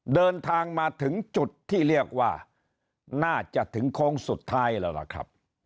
เดินทางมาถึงจุดที่เรียกว่าน่าจะถึงโค้งสุดท้ายแล้วล่ะครับ